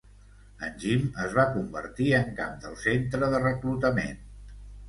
En Jim es van convertir en cap del centre de reclutament.